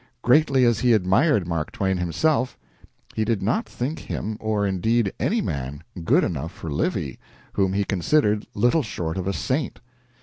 Greatly as he admired Mark Twain himself, he did not think him, or, indeed, any man, good enough for "Livy," whom he considered little short of a saint.